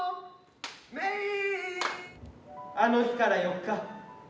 あの日から４日。